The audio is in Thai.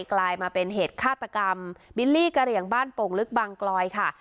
กลายมาเป็นเหตุฆาตกรรมบิลลี่กะเหลี่ยงบ้านโป่งลึกบางกลอยค่ะ